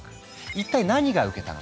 一体何が受けたのか。